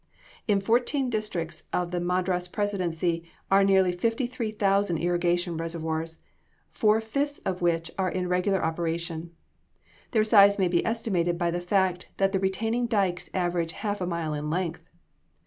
In fourteen districts of the Madras presidency [Illustration: MAP OF CONEMAUGH VALLEY.] are nearly fifty five thousand irrigation reservoirs, four fifths of which are in regular operation. Their size may be estimated by the fact that the retaining dykes average half a mile in length.